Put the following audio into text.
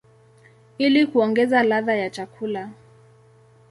ili kuongeza ladha ya chakula.